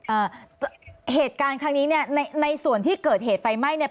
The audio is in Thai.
อ่าเหตุการณ์ครั้งนี้เนี้ยในในส่วนที่เกิดเหตุไฟไหม้เนี้ย